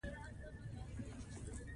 افغانستان په د کلیزو منظره باندې تکیه لري.